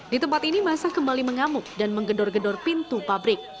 di tempat ini masa kembali mengamuk dan menggedor gedor pintu pabrik